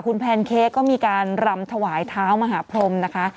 คุณแพนเค้กก็มีการรำถวายเท้ามหาพรมนะคะ